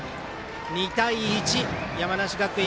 ２対１、山梨学院